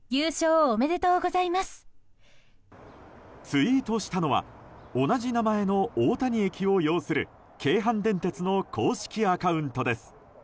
ツイートしたのは同じ名前の大谷駅を擁する京阪電鉄の公式アカウントです。